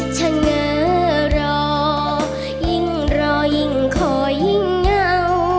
เฉงอรอยิ่งรอยิ่งขอยิ่งเงา